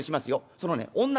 そのね女